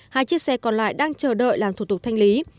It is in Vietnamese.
hai chiếc xe còn lại đang chờ đợi làm thủ tục thanh lý